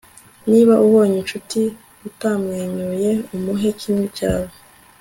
niba ubonye inshuti utamwenyuye; umuhe kimwe cyawe